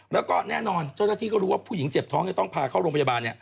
แล้วก็แน่นอนเจ้าหน้าที่ก็รู้ว่าผู้หญิงเจ็บท้องจะต้องพาเข้าโรงพยาบาล